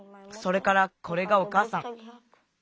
それからこれがおかあさん。